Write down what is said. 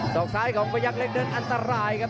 สองไซด์ของประยักษ์เล็กเดินอันตรายครับ